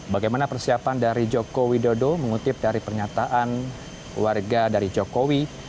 bagaimana persiapan dari joko widodo mengutip dari pernyataan warga dari jokowi